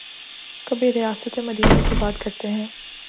کبھی ریاست مدینہ کی بات کرتے ہیں۔